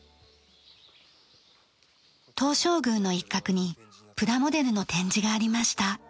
東照宮の一角にプラモデルの展示がありました。